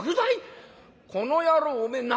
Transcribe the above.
この野郎おめえ何を。